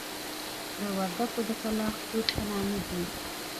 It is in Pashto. د وردکو د کلاخ توت په نامه دي.